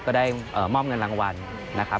ก็ได้มอบเงินรางวัลนะครับ